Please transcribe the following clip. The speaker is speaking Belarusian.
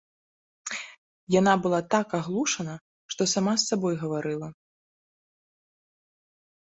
Яна была так аглушана, што сама з сабой гаварыла.